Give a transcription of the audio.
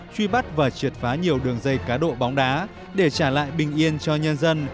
truy bắt và triệt phá nhiều đường dây cá độ bóng đá để trả lại bình yên cho nhân dân